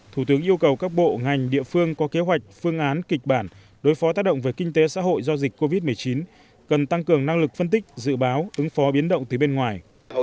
thủ tướng yêu cầu các bộ ngành địa phương có kế hoạch phương án kịch bản đối phó tác động về kinh tế xã hội do dịch covid một mươi chín cần tăng cường năng lực phân tích dự báo ứng phó biến động từ bên ngoài